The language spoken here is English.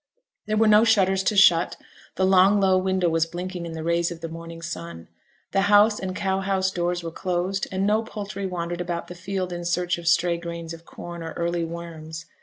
There were no shutters to shut; the long low window was blinking in the rays of the morning sun; the house and cow house doors were closed, and no poultry wandered about the field in search of stray grains of corn, or early worms.